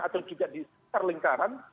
atau juga diperlingkaran